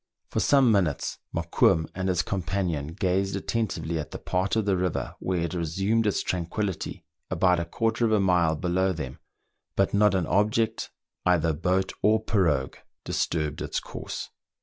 For some minutes Mokoum and his companion gazed attentively at the part of the river where it resumed its tranquillity about a quarter of a mile below them, but not an object, either boat or pirogue, disturbed its course.